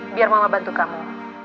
biar mama bantu kamu